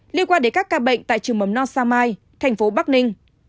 liên quan đến các ca bệnh tại trường mầm non sao mai thành phố bắc ninh